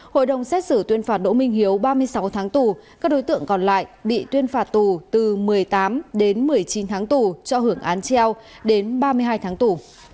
hội đồng xét xử tuyên phạt đỗ minh hiếu ba mươi sáu tháng tù các đối tượng còn lại bị tuyên phạt tù từ một mươi tám đến một mươi chín tháng tù cho hưởng án treo đến ba mươi hai tháng tù